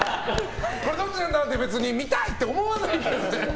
どっちなんだって別に見たいって思わないからね。